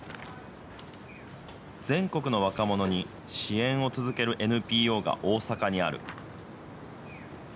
全国の若者に支援を続けるＮＰＯが大阪にある。